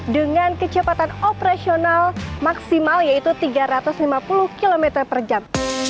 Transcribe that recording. dengan kecepatan operasional maksimal yaitu tiga ratus lima puluh km per jam